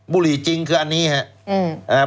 บุหรี่จริงคืออันนี้ครับ